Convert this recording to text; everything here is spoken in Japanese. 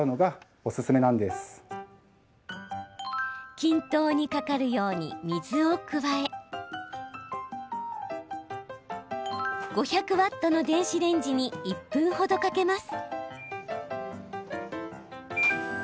均等にかかるように水を加え５００ワットの電子レンジに１分ほどかけます。